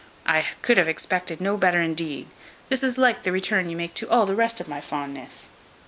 I could have expected no better indeed; this is like the return you make to all the rest of my fondness."